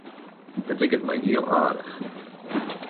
It liket my heel aardich.